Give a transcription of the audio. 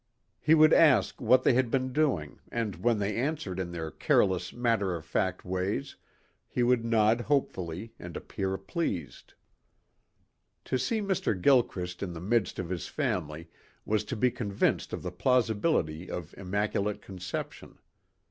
He would ask what they had been doing and when they answered in their careless, matter of fact ways he would nod hopefully and appear pleased. To see Mr. Gilchrist in the midst of his family was to be convinced of the plausibility of immaculate conception.